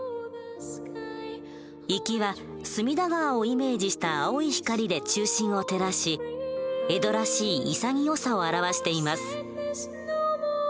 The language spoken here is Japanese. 「粋」は隅田川をイメージした青い光で中心を照らし江戸らしい潔さを表しています。